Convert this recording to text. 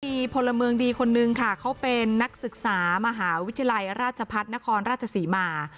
มีโพลเมิงดีคนหนึ่งเป็นนักศึกษามหาวิทยาลัยราชาภัฏนครราชกษีหมา